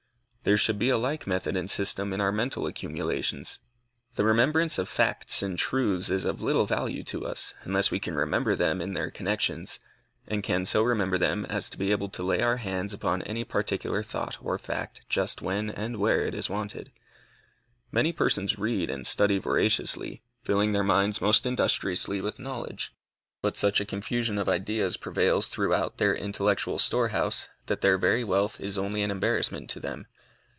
There should be a like method and system in our mental accumulations. The remembrance of facts and truths is of little value to us unless we can remember them in their connections, and can so remember them as to be able to lay our hands upon any particular thought or fact just when and where it is wanted. Many persons read and study voraciously, filling their minds most industriously with knowledge, but such a confusion of ideas prevails throughout their intellectual store house, that their very wealth is only an embarrassment to them.